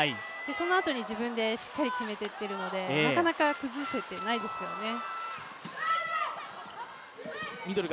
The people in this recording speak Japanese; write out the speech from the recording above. そのあとに自分でしっかり決めていっているのでなかなか崩せてないですよね。